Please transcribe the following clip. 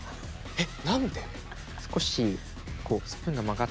えっ！